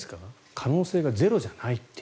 可能性がゼロじゃないという。